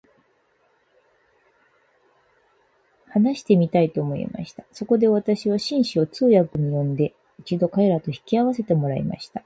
私は、ひとつストラルドブラグたちに会って話してみたいと思いました。そこで私は、紳士を通訳に頼んで、一度彼等と引き合せてもらいました。